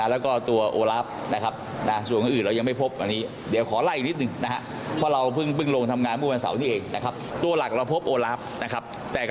รอพบเจอเลยนะครับ